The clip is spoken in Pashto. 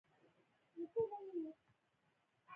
روبوټونه د فابریکو د تولید سرعت لوړوي.